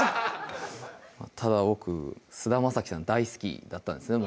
ただ僕菅田将暉さん大好きだったんですね